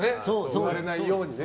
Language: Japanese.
言われないようにね。